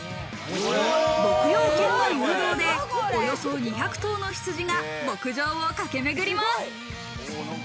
牧羊犬の誘導でおよそ２００頭の羊が牧場を駆けめぐります。